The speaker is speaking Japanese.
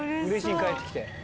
うれしい帰ってきて。